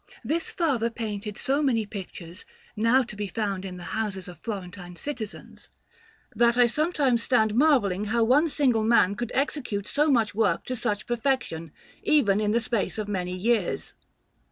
This father painted so many pictures, now to be found in the houses of Florentine citizens, "that I sometimes stand marvelling how one single man could execute so much work to such perfection, even in the space of many years.